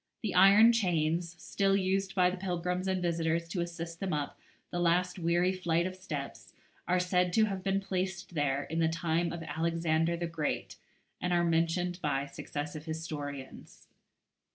The iron chains, still used by the pilgrims and visitors to assist them up the last weary flight of steps, are said to have been placed there in the time of Alexander the Great, and are mentioned by successive historians.